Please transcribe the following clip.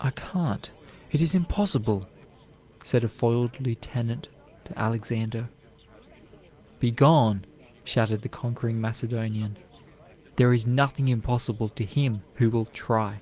"I can't, it is impossible," said a foiled lieutenant to Alexander. "Be gone," shouted the conquering Macedonian, "there is nothing impossible to him who will try."